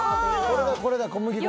これだこれだ小麦粉だ。